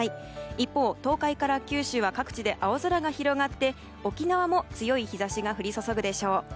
一方、東海から九州は各地で青空が広がって沖縄も強い日差しが降り注ぐでしょう。